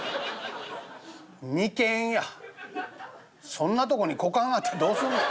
そんなとこに股間があってどうすんねん？